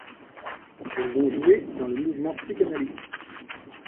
Elles ont joué dans le mouvement psychanalytique.